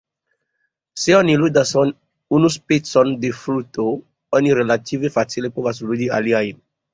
Se oni ludas unu specon de fluto, oni relative facile povas ludi alian.